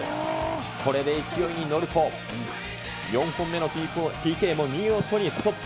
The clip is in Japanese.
これで勢いに乗ると、４本目のＰＫも見事にストップ。